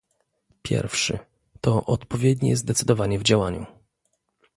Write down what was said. Pierwszy - to odpowiednie zdecydowanie w działaniu